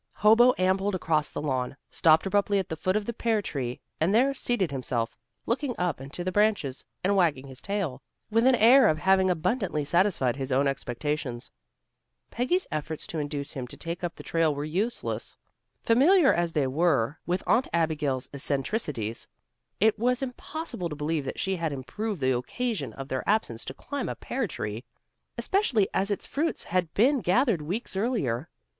Hobo ambled across the lawn, stopped abruptly at the foot of the pear tree, and there seated himself, looking up into the branches, and wagging his tail, with an air of having abundantly satisfied his own expectations. Peggy's efforts to induce him to take up the trail were useless. Familiar as they all were with Aunt Abigail's eccentricities, it was impossible to believe that she had improved the occasion of their absence to climb a pear tree, especially as its fruit had been gathered weeks earlier.